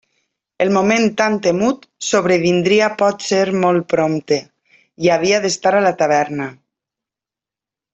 El moment tan temut sobrevindria potser molt prompte, i havia d'estar a la taverna.